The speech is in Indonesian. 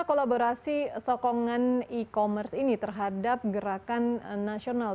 kolaborasi sokongan e commerce ini terhadap gerakan nasional